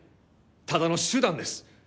ただの手段です。